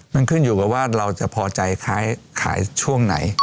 มันขึ้นอยู่กับว่าเราจะพอใจขายช่วงไหน